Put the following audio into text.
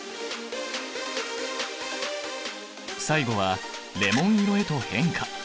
最後はレモン色へと変化！